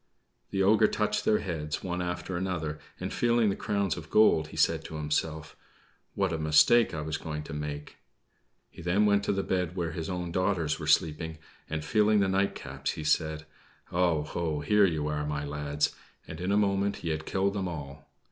The ogre touched their heads, one after another, and feeling the crowns of gold, he said to himself: "What a mistake I was going to make!" He then went to bed where his own daughters were sleeping, and, feeling the nightcaps, he said: "Oh, ho, here you are, my lads!" and in a moment he had killed them all.